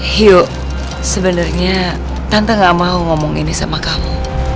hiu sebenernya tante gak mau ngomong ini sama kamu